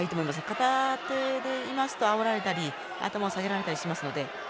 片手だとあおられたり頭を下げられたりします。